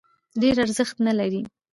ډېر ارزښت نه لري.